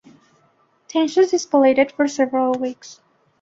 Tensions escalated for several weeks.